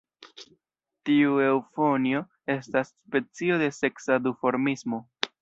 Tiu eŭfonjo estas specio de seksa duformismo.